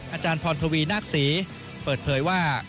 อาจารย์พรทวีนาคศรีเปิดเผยว่า